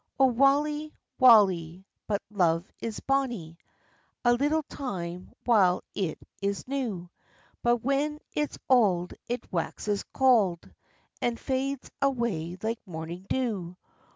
O waly, waly, but love is bonnie A little time while it is new, But when it's auld it waxes cauld, And fades away like morning dew.